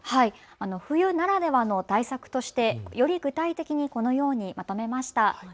冬ならではの対策としてより具体的にはこのようにまとめました。